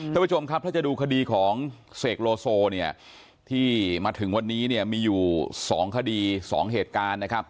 ท่านผู้ชมครับถ้าจะดูคดีของเสกโลโซเนี่ยที่มาถึงวันนี้เนี่ยมีอยู่๒คดี๒เหตุการณ์นะครับ